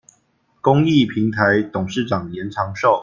公益平臺董事長嚴長壽